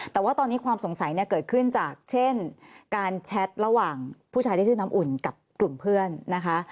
แต่ว่าตอนนี้ความสงสัยเนี่ยเกิดขึ้นจากเช่นการแชทระหว่างผู้ชายที่ชื่อน้ำอุ่นกับกลุ่มเพื่อนนะคะ